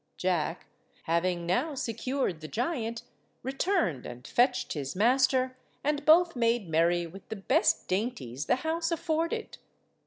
Jack, having now secured the giant, returned and fetched his master, and both made merry with the best dainties the house afforded.